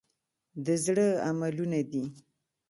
د زړه عملونه دي .